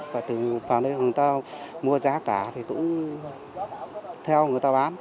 và vào đây người ta mua giá cả thì cũng theo người ta bán